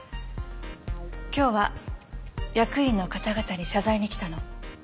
今日は役員の方々に謝罪に来たの。